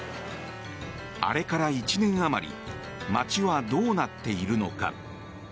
あれから１年余り街はどうなっているのか？